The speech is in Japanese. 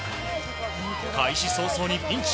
開始早々にピンチ。